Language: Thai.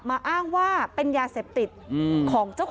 ไม่ใช่ไม่ใช่